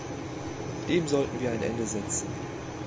Dem sollten wir ein Ende setzen.